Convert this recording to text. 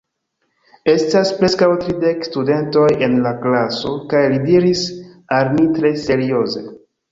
Estas preskaŭ tridek studentoj en la klaso, kaj li diris al ni tre serioze: